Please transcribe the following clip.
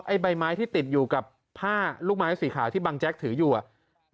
ใบไม้ที่ติดอยู่กับผ้าลูกไม้สีขาวที่บังแจ๊กถืออยู่อ่ะ